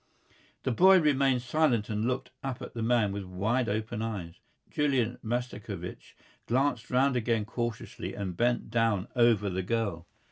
The boy remained silent and looked up at the man with wide open eyes. Julian Mastakovich glanced round again cautiously and bent down over the girl.